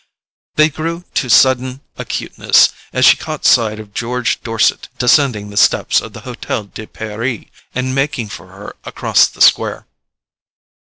They grew to sudden acuteness as she caught sight of George Dorset descending the steps of the Hotel de Paris and making for her across the square.